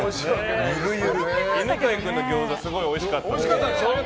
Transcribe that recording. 犬飼君のギョーザすごいおいしかった。